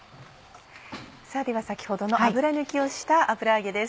では先ほどの油抜きをした油揚げです。